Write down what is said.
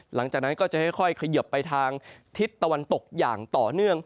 หลังจากนั้นก็จะค่อยเขยิบไปทางทิศตะวันตกอย่างต่อเนื่อง